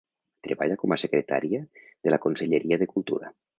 Treballa com a secretària de la Conselleria de Cultura.